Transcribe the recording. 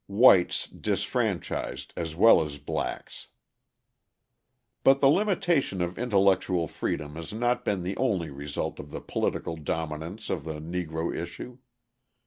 Whites Disfranchised as Well as Blacks But the limitation of intellectual freedom has not been the only result of the political dominance of the Negro issue.